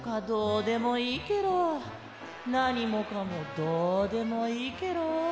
なにもかもどうでもいいケロ。